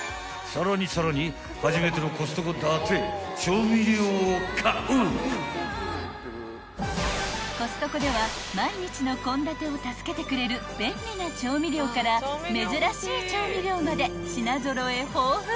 ［さらにさらに］［コストコでは毎日の献立を助けてくれる便利な調味料から珍しい調味料まで品揃え豊富］